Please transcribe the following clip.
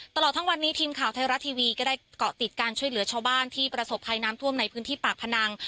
ตลอดทั้งวันนี้ทีมข่าวไทยรัฐทีวีก็ได้เกาะติดการช่วยเหลือชาวบ้านที่ประสบภัยน้ำท่วมในพื้นที่ปากพนัง